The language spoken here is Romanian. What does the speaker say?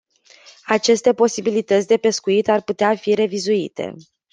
Aceste posibilități de pescuit ar putea fi revizuite.